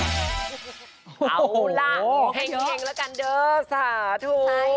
เอาล่ะแห่งแล้วกันเด้อสาธุ